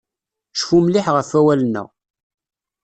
Cfu mliḥ ɣef awalen-a.